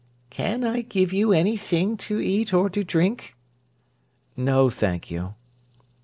"Can I give you anything to eat or to drink?" "No, thank you."